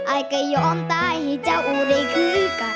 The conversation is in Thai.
อายกะย้อนตายให้เจ้าได้คู่กัน